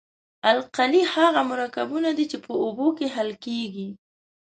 القلي هغه مرکبونه دي چې په اوبو کې حل کیږي.